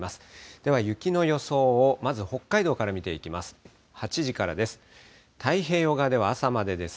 では雪の予想をまず北海道から見ていきます。